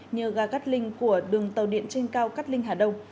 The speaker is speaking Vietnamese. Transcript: như gà cắt linh của đường tàu điện trên cao cắt linh hà đông